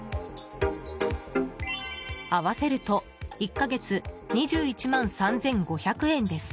合わせると１か月２１万３５００円です。